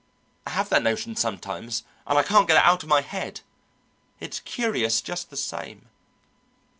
I have that notion sometimes and I can't get it out of my head. It's curious just the same."